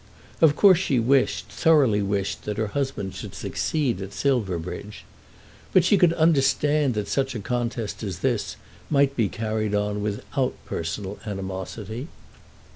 Of course she wished, thoroughly wished, that her husband should succeed at Silverbridge. But she could understand that such a contest as this might be carried on without personal animosity.